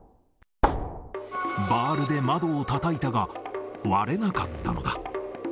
バールで窓をたたいたが、割れなかったのだ。